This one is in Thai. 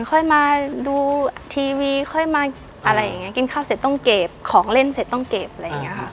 ค่อยมาดูทีวีค่อยมาอะไรอย่างนี้กินข้าวเสร็จต้องเก็บของเล่นเสร็จต้องเก็บอะไรอย่างนี้ค่ะ